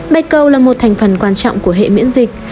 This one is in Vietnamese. bạch cầu là một thành phần quan trọng của hệ miễn dịch